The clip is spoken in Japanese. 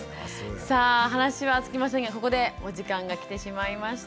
さあ話は尽きませんがここでお時間が来てしまいました。